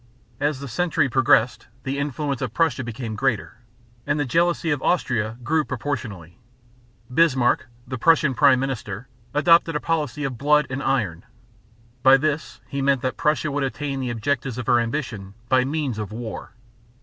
As the century progressed, the influence of Prussia became greater; and the jealousy of Austria grew proportionately. Bismarck, the Prussian prime minister, adopted a policy of "blood and iron." By this he meant that Prussia would attain the objects of her ambition by means of war.